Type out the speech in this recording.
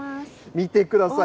見てください。